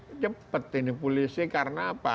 ini cepat ini polisi karena apa